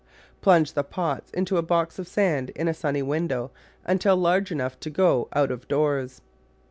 Plunge the pots into a box of sand in a sunny window until large enough to go out of doors.